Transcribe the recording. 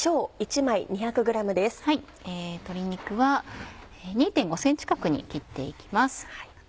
鶏肉は２．５ｃｍ角に切っていきます。